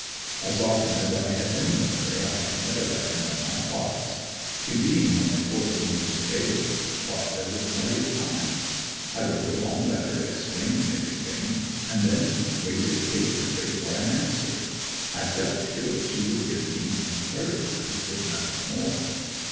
As often as I had been with her I had never let her know my thoughts. She being only fourteen years of age, I thought there was plenty time. I wrote a long letter explaining everything and then waited patiently for an answer. I felt sure she would give me encouragement, if nothing more.